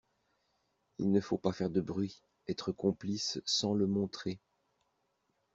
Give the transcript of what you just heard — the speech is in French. Il ne faut pas faire de bruit, être complice sans le montrer.